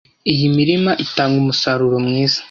Iyi mirima itanga umusaruro mwiza.